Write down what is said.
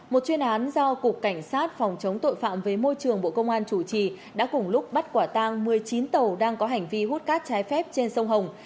một chuyên án do cục cảnh sát phòng chống tội phạm với môi trường bộ công an chủ trì đã cùng lúc bắt quả tang một mươi chín tàu đang có hành vi hút cát trái phép trên sông hồng